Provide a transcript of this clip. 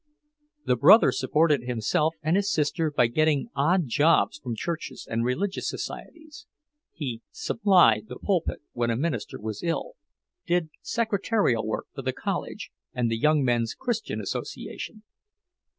The brother supported himself and his sister by getting odd jobs from churches and religious societies; he "supplied" the pulpit when a minister was ill, did secretarial work for the college and the Young Men's Christian Association.